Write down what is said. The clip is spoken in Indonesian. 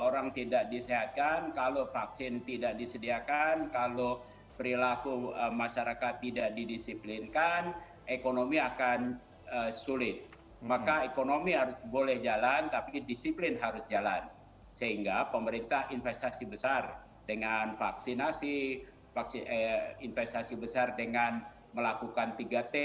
tapi disiplin harus jalan sehingga pemerintah investasi besar dengan vaksinasi investasi besar dengan melakukan tiga t